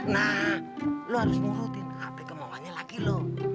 nah lo harus turutin hp kemauannya laki lo